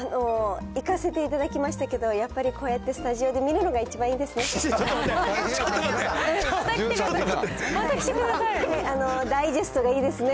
行かせていただきましたけど、やっぱりこうやってスタジオで見るのが一番いいですね。